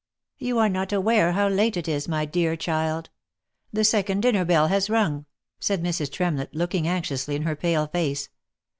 <l You are not aware how late it is, my dear child. The second dinner bell has rung !" said Mrs. Tremlett looking anxiously in her pale face.